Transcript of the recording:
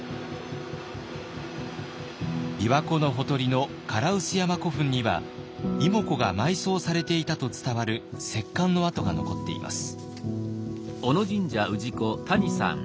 びわ湖のほとりの唐臼山古墳には妹子が埋葬されていたと伝わる石棺の跡が残っています。